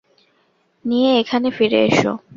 নিয়ে এখানে ফিরে এসো।